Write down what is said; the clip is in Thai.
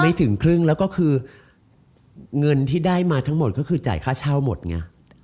ถึงครึ่งแล้วก็คือเงินที่ได้มาทั้งหมดก็คือจ่ายค่าเช่าหมดไง